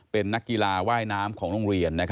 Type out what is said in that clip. เป็นนักกีฬาว่ายน้ำของโรงเรียน